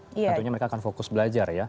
tentunya mereka akan fokus belajar ya